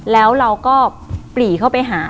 แล้วเราก็ปรีเข้าไปหา